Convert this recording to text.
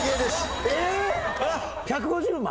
１５０万？